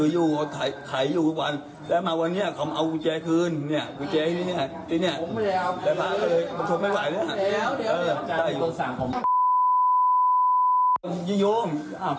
อยู่บริษัทไทยซึ่งกะแว่ง